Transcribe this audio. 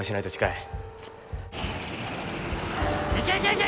・いけいけいけいけ！